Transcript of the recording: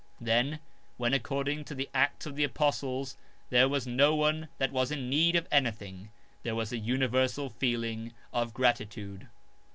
Then, when according to the Acts of the Apostles there was no one that was in need of anything, there was a universal feeling of gratitude.